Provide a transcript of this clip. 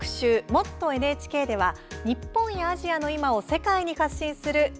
「もっとＮＨＫ」では日本やアジアの今を世界に発信する